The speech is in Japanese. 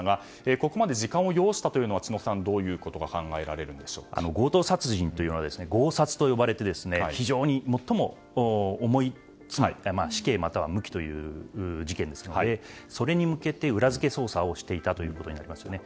ここまで時間を要したことは知野さん、どういうことが強盗殺人というのは強殺と呼ばれて、最も重い罪死刑または無期という事件ですのでそれに向けて、裏付け捜査をしていたことになりますよね。